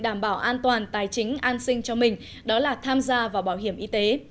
đảm bảo an toàn tài chính an sinh cho mình đó là tham gia vào bảo hiểm y tế